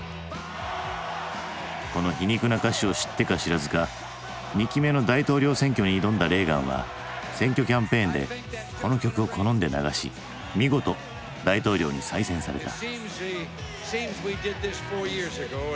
この皮肉な歌詞を知ってか知らずか２期目の大統領選挙に挑んだレーガンは選挙キャンペーンでこの曲を好んで流し見事大統領に再選された。